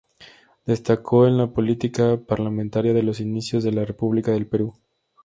Destacó en la política parlamentaria de los inicios de la República del Perú.